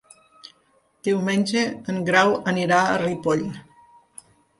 Diumenge en Grau anirà a Ripoll.